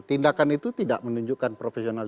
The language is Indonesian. tindakan itu tidak menunjukkan profesional